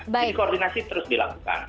jadi koordinasi terus dilakukan